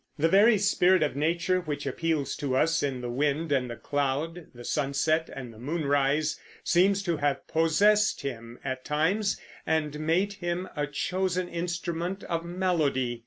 The very spirit of nature, which appeals to us in the wind and the cloud, the sunset and the moonrise, seems to have possessed him, at times, and made him a chosen instrument of melody.